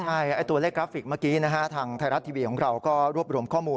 ใช่ตัวเลขกราฟิกเมื่อกี้นะฮะทางไทยรัฐทีวีของเราก็รวบรวมข้อมูล